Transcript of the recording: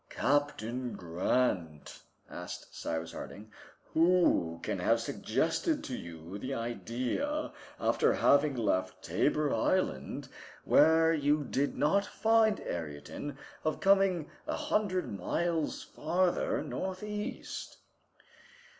"Captain Grant," asked Cyrus Harding, "who can have suggested to you the idea, after having left Tabor Island, where you did not find Ayrton, of coming a hundred miles farther northeast?"